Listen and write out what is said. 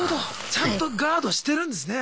ちゃんとガードしてるんですね。